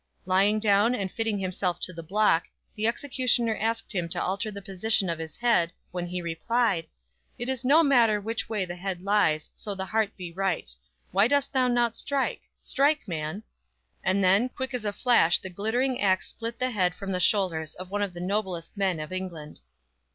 Lying down and fitting himself to the block, the executioner asked him to alter the position of his head, when he replied: "It is no matter which way the head lies, so the heart be right! Why dost thou not strike? Strike, man!" And, then, quick as a flash the glittering axe split the head from the shoulders of one of the noblest men of England.